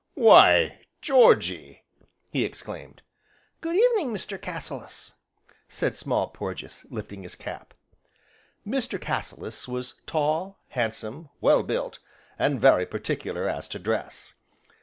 "Why Georgy!" he exclaimed. "Good evening, Mr. Cassilis!" said Small Porges, lifting his cap. Mr. Cassilis was tall, handsome, well built, and very particular as to dress.